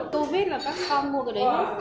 covid là các con mua cái đấy